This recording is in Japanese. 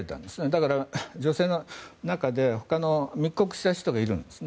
だから、女性の中でほかに密告した人がいるんです。